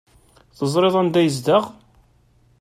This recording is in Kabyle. Teẓriḍ anda yezdeɣ?